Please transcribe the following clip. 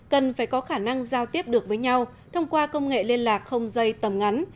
cần phải có khả năng giao tiếp được với nhau thông qua công nghệ liên lạc không dây tầm ngắn